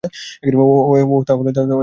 ওহ্, এগুলো তাহলে এখানে?